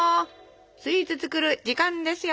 スイーツ作る時間ですよ。